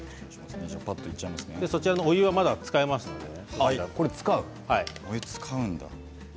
お湯はまだ使いますからね。